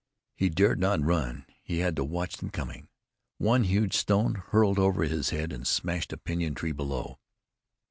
He dared not run. He had to watch them coming. One huge stone hurtled over his head and smashed a pinyon tree below.